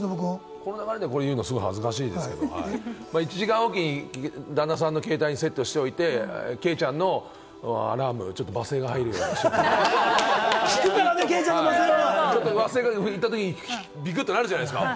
その流でこれ言うの恥ずかしいんですけれども、１時間おきに旦那さんの携帯にセットしておいて、ケイちゃんのアラーム、罵声が入るように、忘れかけたときに聞くとビクッとなるじゃないですか。